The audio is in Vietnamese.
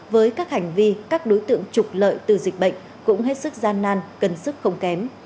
với các hành vi các đối tượng trục lợi từ dịch bệnh cũng hết sức gian nan cân sức không kém